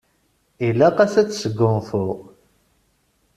Ilaq-as ad tesgunfu.